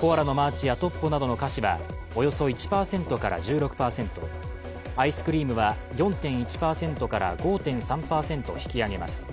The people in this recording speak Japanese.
コアラのマーチやトッポなどの菓子はおよそ１％から１６％、アイスクリームは４．１％か５．３％引き上げます。